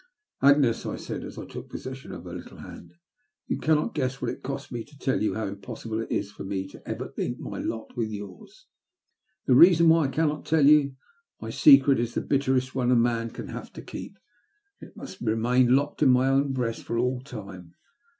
" Agnes," I said, as I took possesion of her little hand, " you cannot guess what it costs me to tell you how impossible it is for me ever to link my lot with yours. The reason why I cannot tell you. My secret is the bitterest one a man can have to keep, and it must remain locked in my own breast for all time.